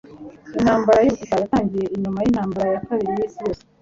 Intambara yubutita yatangiye nyuma yintambara ya kabiri yisi yose